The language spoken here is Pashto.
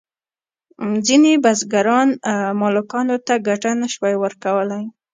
ځینې بزګران مالکانو ته ګټه نشوای ورکولی.